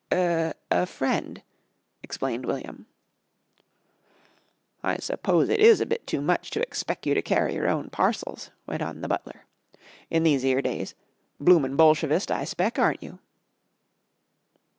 "E a friend," explained William. "I suppose it is a bit too much to expeck you to carry your own parcels," went on the butler, "in these 'ere days. Bloomin' Bolshevist, I speck, aren't you?"